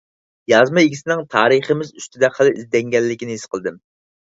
يازما ئىگىسىنىڭ تارىخىمىز ئۈستىدە خېلى ئىزدەنگەنلىكىنى ھېس قىلدىم.